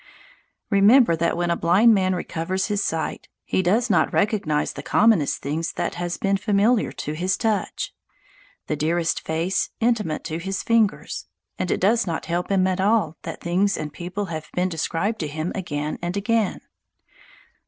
Remember that when a blind man recovers his sight, he does not recognize the commonest thing that has been familiar to his touch, the dearest face intimate to his fingers, and it does not help him at all that things and people have been described to him again and again.